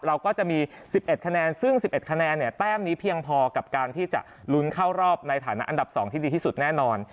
เราก็จะมี๑๑คะแนนซึ่ง๑๑คะแนนเนี่ยแต้มนี้เพียงพอกับการที่จะลุ้นเข้ารอบในฐานะอันดับ๒ที่ดีที่สุดแน่นอน